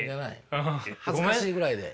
恥ずかしいぐらいで。